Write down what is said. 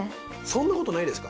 そんなことないです。